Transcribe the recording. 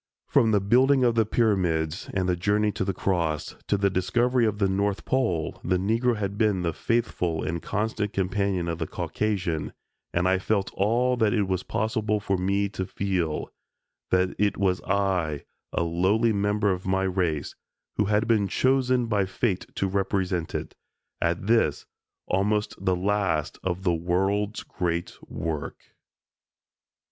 From the building of the pyramids and the journey to the Cross, to the discovery of the North Pole, the Negro had been the faithful and constant companion of the Caucasian, and I felt all that it was possible for me to feel, that it was I, a lowly member of my race, who had been chosen by fate to represent it, at this, almost the last of the world's great work.